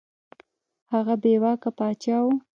هغه بې واکه پاچا وو.